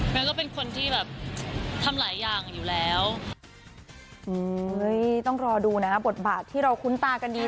ก็เป็นคนที่แบบทำหลายอย่างอยู่แล้วอุ้ยต้องรอดูนะบทบาทที่เราคุ้นตากันดี